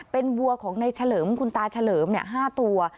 เป็นวัวของในเฉลิมคุณตาเฉลิม๕ตัว